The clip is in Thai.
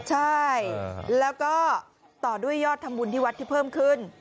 ใช่แล้วก็ต่อด้วยยอดทำบุญที่วัดที่เพิ่มขึ้น